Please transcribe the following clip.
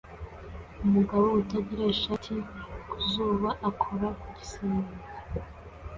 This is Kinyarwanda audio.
Umugabo utagira ishati ku zuba akora ku gisenge